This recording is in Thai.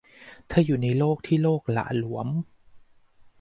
เธออยู่ในโลกที่โลกหละหลวม